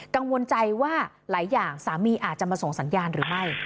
กังวลใจว่าหลายอย่างสามีอาจจะมาส่งสัญญาณหรือไม่